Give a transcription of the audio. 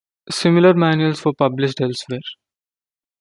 Similar manuals were published elsewhere.